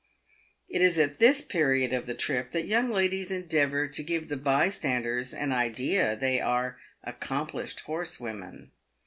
It is at this period of the trip that young ladies endeavour to give the bystanders an idea they are accomplished horsewomen.